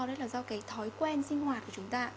đó là do cái thói quen sinh hoạt của chúng ta